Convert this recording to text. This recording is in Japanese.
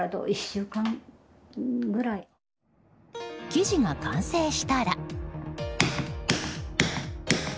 生地が完成したら。